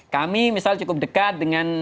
kami misalnya cukup dekat dengan